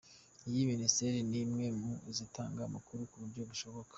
Iyi Minisiteri ni imwe mu zitanga amakuru ku buryo bushoboka.